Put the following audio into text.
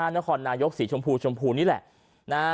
นครนายกสีชมพูชมพูนี่แหละ